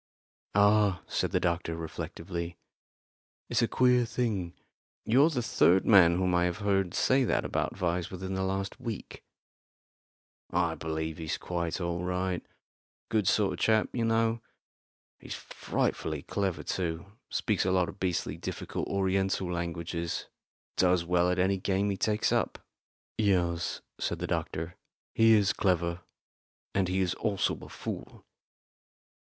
"Ah," said the doctor, reflectively, "it's a queer thing. You're the third man whom I have heard say that about Vyse within the last week." "I believe he's quite all right good sort of chap, you know. He's frightfully clever too speaks a lot of beastly difficult Oriental languages does well at any game he takes up." "Yes," said the doctor, "he is clever; and he is also a fool."